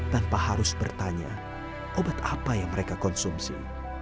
tanpa harus bertanya obat apa yang mereka konsumsi